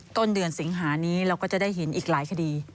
ต้นเดือนสิงหานี้เราก็จะได้เห็นอีกหลายคดี